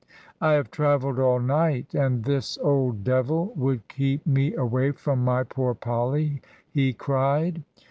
"I have travelled all night, and this old devil would keep me away from my poor Polly," he cried.